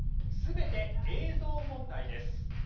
全て映像問題です。